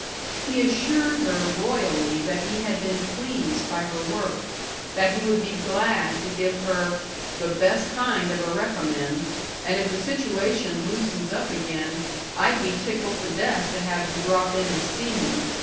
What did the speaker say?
He assured her royally that he had been pleased by her work; that he would be glad to give her "the best kind of a recommend and if the situation loosens up again, I'd be tickled to death to have you drop in and see me.